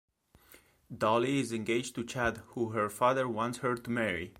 Dolly is engaged to Chad, who her father wants her to marry.